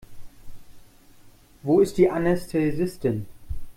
Wo ist die Anästhesistin?